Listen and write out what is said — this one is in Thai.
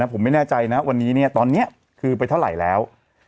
ผมไม่แน่ใจนะวันนี้ตอนนี้คือไปเท่าไหร่แล้ว